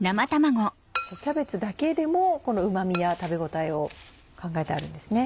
キャベツだけでもこのうま味や食べ応えを考えてあるんですね。